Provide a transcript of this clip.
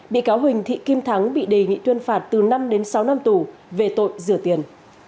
bị cáo huỳnh thị kim thắng bị đề nghị tuyên phạt từ năm đến sáu năm tù về tội rửa tiền